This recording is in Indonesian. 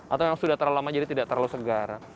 atau yang sudah terlalu lama jadi tidak terlalu segar